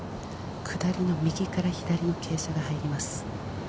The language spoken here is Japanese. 下り、右から左の傾斜が入ります。